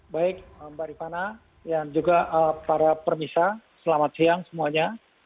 baik mbak rifana dan juga para permisa selamat siang semuanya